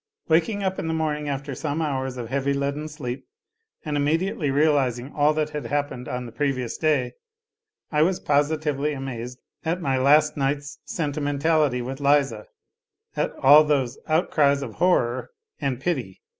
Waking up in the morning after some hours of heavy, leaden sleep, and immediately realizing all that had happened on the previous day, I was positively amazed at my last night's sentimentality with Liza, at all those " outcries of horror and pity."